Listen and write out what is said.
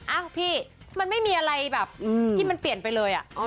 อ้าวพี่มันไม่มีอะไรแบบที่มันเปลี่ยนไปเลย